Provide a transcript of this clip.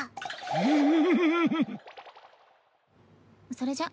それじゃ。